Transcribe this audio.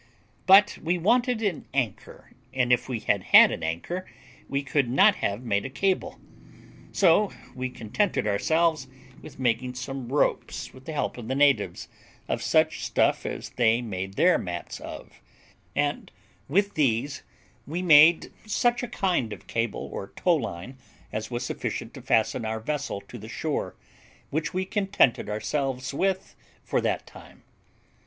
But we wanted an anchor, and if we had had an anchor, we could not have made a cable; so we contented ourselves with making some ropes with the help of the natives, of such stuff as they made their mats of, and with these we made such a kind of cable or tow line as was sufficient to fasten our vessel to the shore, which we contented ourselves with for that time.